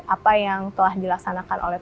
apa yang telah dilaksanakan oleh